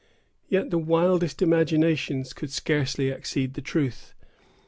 Yet the wildest imaginations could scarcely exceed the truth.